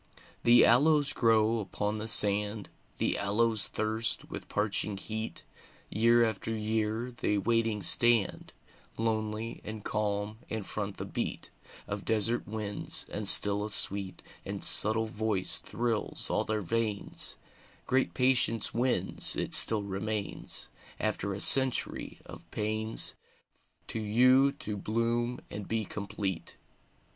The aloes grow upon the sand, The aloes thirst with parching heat; Year after year they waiting stand, Lonely and calm, and front the beat Of desert winds; and still a sweet And subtle voice thrills all their veins: "Great patience wins; it still remains, After a century of pains, To you to bloom and be complete."